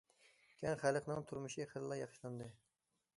كەڭ خەلقنىڭ تۇرمۇشى خېلىلا ياخشىلاندى.